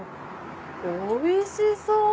おいしそう！